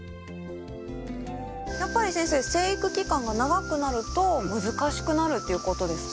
やっぱり先生生育期間が長くなると難しくなるっていうことですか？